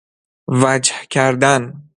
وجه کردن